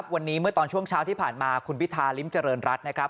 วันนี้เมื่อตอนช่วงเช้าที่ผ่านมาคุณพิธาริมเจริญรัฐนะครับ